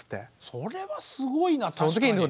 それはすごいな確かに。